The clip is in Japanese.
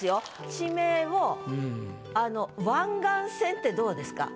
地名を「湾岸線」ってどうですか？